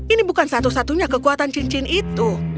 ini bukan satu satunya kekuatan cincin itu